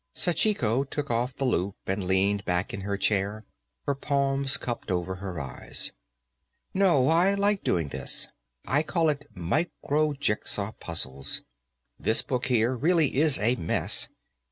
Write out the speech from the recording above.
Sachiko took off the loup and leaned back in her chair, her palms cupped over her eyes. "No, I like doing this. I call it micro jigsaw puzzles. This book, here, really is a mess.